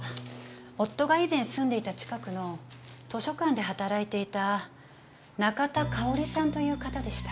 夫が以前住んでいた近くの図書館で働いていた仲田佳保里さんという方でした。